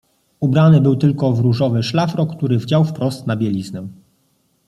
"Ubrany był tylko w różowy szlafrok, który wdział wprost na bieliznę."